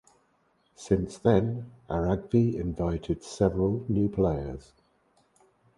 Since then Aragvi invited several new players.